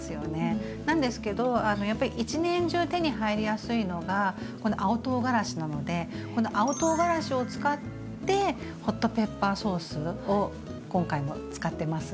なんですけどやっぱり一年中手に入りやすいのがこの青とうがらしなのでこの青とうがらしを使ってホットペッパーソースを今回も使ってます。